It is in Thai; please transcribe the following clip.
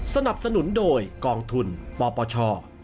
สนับสนุนโดยกองทุนปปช